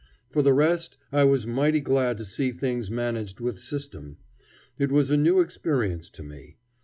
For the rest, I was mighty glad to see things managed with system. It was a new experience to me.